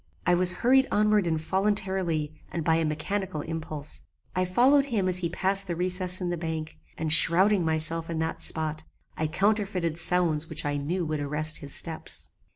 I was hurried onward involuntarily and by a mechanical impulse. I followed him as he passed the recess in the bank, and shrowding myself in that spot, I counterfeited sounds which I knew would arrest his steps.